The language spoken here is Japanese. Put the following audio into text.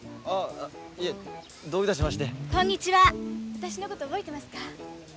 私のこと覚えてますか？